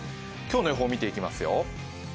今日の予報見ていきますよ。